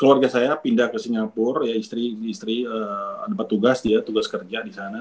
keluarga saya pindah ke singapura ya istri istri ada petugas dia tugas kerja di sana